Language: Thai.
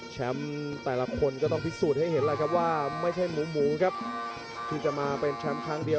แต่ละคนก็ต้องพิสูจน์ให้เห็นแล้วครับว่าไม่ใช่หมูหมูครับที่จะมาเป็นแชมป์ครั้งเดียว